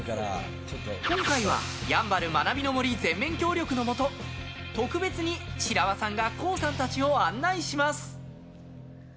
今回はやんばる学びの森全面協力のもと特別に白輪さんがＫＯＯさんたちを案内します。